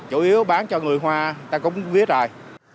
chủ yếu bán cho người hoa ta cũng biết rồi